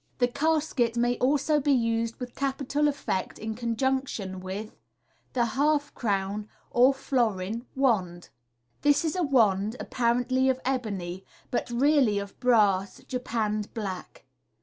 203 The casket may also be used with capital effect in conjunction with Fig. 95 Fig. 93. The Half crown (or Florin) Wand. — This is a wand, appa rently of ebony, but really of brass, japanned black.